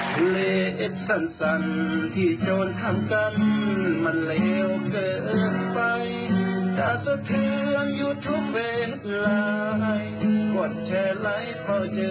ควรแชร์ไลค์เพราะเจอเหลือจาก